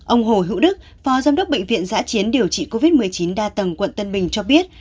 ông hồ hữu đức phó giám đốc bệnh viện giã chiến điều trị covid một mươi chín đa tầng quận tân bình cho biết